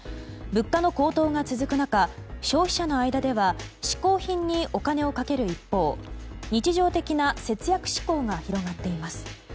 物価の高騰が続く中消費者の間では嗜好品にお金をかける一方日常的な節約志向が広がっています。